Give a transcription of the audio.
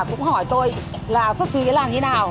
cũng hỏi tôi là xuất phí cái làn như nào